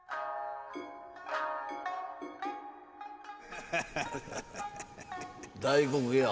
ハハハハハ大黒屋。